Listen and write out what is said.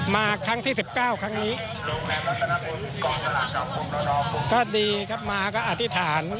มาครั้งที่๑๙ครั้งนี้ก็ดีครับมาก็อธิษฐาน